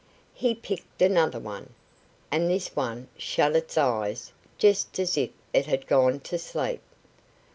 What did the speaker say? He picked another one, and this one shut its eyes just as if it had gone to sleep.